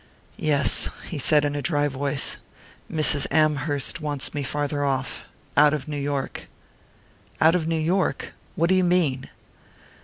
"Yes," he said in a dry voice. "Mrs. Amherst wants me farther off out of New York." "Out of New York? What do you mean?"